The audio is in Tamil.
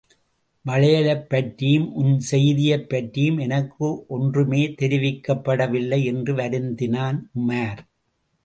வளையலைப் பற்றியும் உன் செய்தியைப் பற்றியும் எனக்கு ஒன்றுமே தெரிவிக்கப்படவில்லை என்று வருந்தினான் உமார்.